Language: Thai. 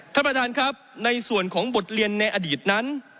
ท่านประธานครับในส่วนของบทเรียนในอดีตนั้น